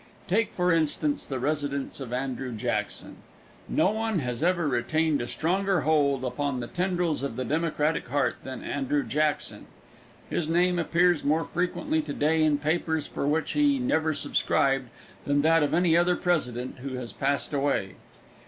Take, for instance, the residence of Andrew Jackson. No one has ever retained a stronger hold upon the tendrils of the Democratic heart than Andrew Jackson. His name appears more frequently to day in papers for which he never subscribed than that of any other president who has passed away.